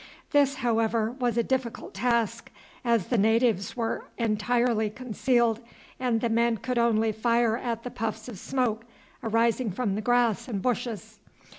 This, however, was a difficult task, as the natives were entirely concealed, and the men could only fire at the puffs of smoke arising from the grass and bushes.